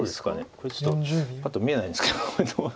これちょっとパッと見えないんですけど。